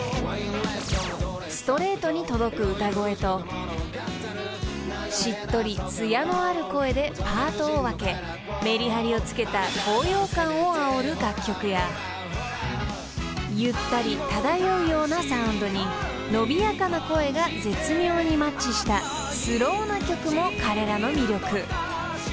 ［ストレートに届く歌声としっとり艶のある声でパートを分けめりはりをつけた高揚感をあおる楽曲やゆったり漂うようなサウンドに伸びやかな声が絶妙にマッチしたスローな曲も彼らの魅力］